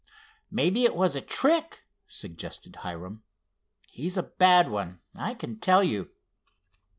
"Maybe it was a trick," suggested Hiram. "He's a bad one, I can tell you."